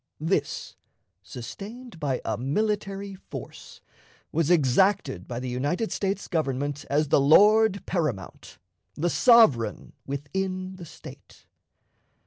This, sustained by a military force, was exacted by the United States Government as the lord paramount the sovereign within the State.